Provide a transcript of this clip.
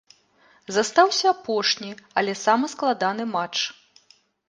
Застаўся апошні, але самы складаны матч.